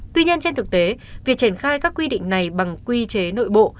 tuy nhiên trên thực tế việc triển khai các quy định này bằng quy chế nội bộ